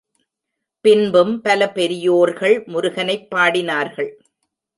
பின்பும் பல பெரியோர்கள் முருகனைப் பாடினார்கள்.